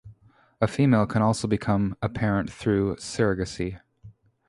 A female can also become a parent through surrogacy.